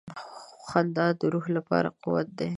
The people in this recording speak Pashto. • خندا د روح لپاره قوت دی.